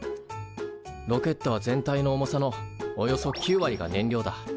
ロケットは全体の重さのおよそ９割が燃料だ。